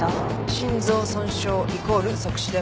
心臓損傷イコール即死ではない。